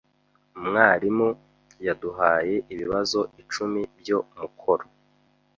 Umwarimu yaduhaye ibibazo icumi byo mukoro.